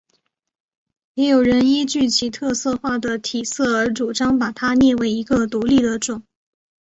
也有人依据其特化的体色而主张把它列为一个独立的种。